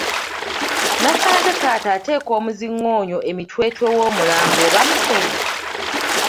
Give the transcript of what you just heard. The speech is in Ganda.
Nasanze taata ateeka omuziŋoonyo emitwetwe w'omulambo oba musezi?